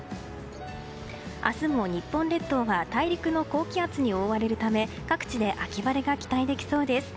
明日も日本列島が大陸の高気圧に覆われるため各地で秋晴れが期待できそうです。